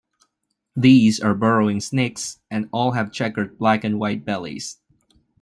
These are burrowing snakes and all have checkered black-and-white bellies.